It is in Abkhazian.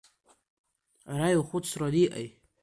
Ара иухәыцраны иҟеи…